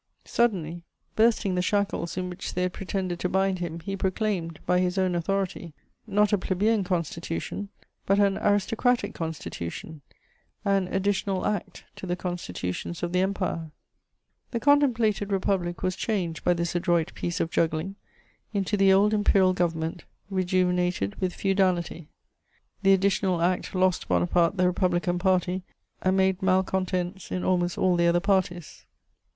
Suddenly, bursting the shackles in which they had pretended to bind him, he proclaimed, by his own authority, not a plebeian Constitution, but an aristocratic Constitution, an "Additional Act" to the Constitutions of the Empire. [Sidenote: The "Additional Act."] The contemplated Republic was changed by this adroit piece of juggling into the old Imperial Government, rejuvenated with feudality. The "Additional Act" lost Bonaparte the Republican Party and made malcontents in almost all the other parties.